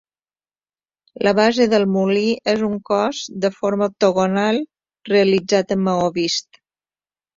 La base del molí és un cos de forma octogonal realitzat amb maó vist.